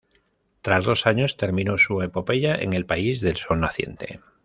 Tras dos años terminó su epopeya en el país del sol naciente.